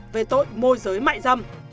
về tội môi giới mại dâm